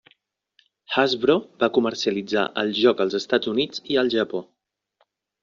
Hasbro va comercialitzar el joc als Estats Units i al Japó.